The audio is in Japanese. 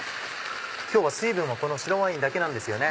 今日は水分はこの白ワインだけなんですよね。